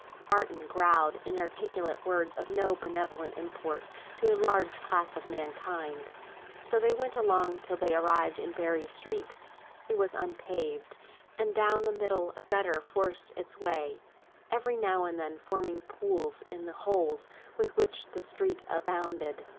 Barton growled inarticulate words of no benevolent import to a large class of mankind, and so they went along till they arrived in Berry Street. It was unpaved; and down the middle a gutter forced its way, every now and then forming pools in the holes with which the street abounded.